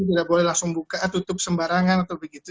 tidak boleh langsung buka tutup sembarangan atau begitu